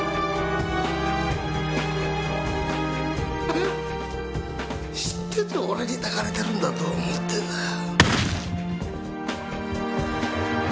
ハハ知ってて俺に抱かれてるんだと思ってたよ。